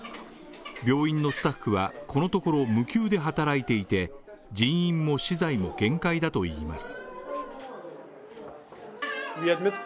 病院のスタッフは、このところを無給で働いていて、人員も資材も限界だといいます。